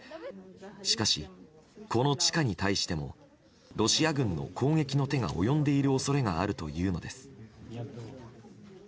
しかし、この地下に対してもロシア軍の攻撃の手が及んでいる恐れがあるというのです。